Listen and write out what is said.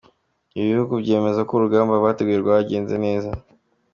Ibi bihugu byemeza ko urugamba bateguye rwagenze neza.